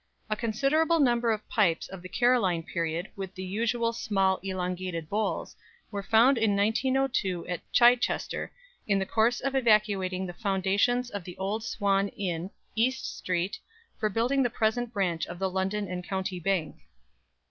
A considerable number of pipes of the Caroline period, with the usual small elongated bowls, were found in 1902 at Chichester, in the course of excavating the foundations of the Old Swan Inn, East Street, for building the present branch of the London and County Bank.